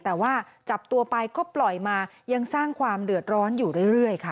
แต่ว่าจับตัวไปก็ปล่อยมายังสร้างความเดือดร้อนอยู่เรื่อยค่ะ